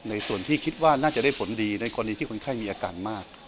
ในส่วนที่คิดว่าน่าจะได้ผลดีในกรณีที่คนไข้มีอาการมาก